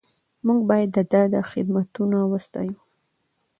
موږ باید د ده خدمتونه وستایو.